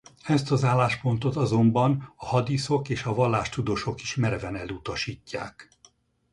Ezt az álláspontot azonban a hadíszok és a vallástudósok is mereven elutasítják.